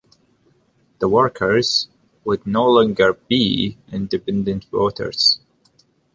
The workers would no longer be independent voters.